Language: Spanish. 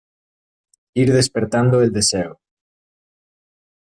ir despertando el deseo